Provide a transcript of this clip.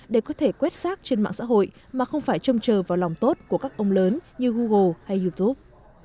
để có thể quét sát trên mạng xã hội mà không phải trông chờ vào lòng tốt của các ông lớn như google hay youtube